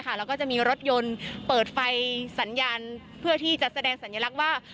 แล้วก็จะมีรถยนต์เปิดไฟสัญญาณเพื่อที่จะแสดงสัญลักษณ์ว่า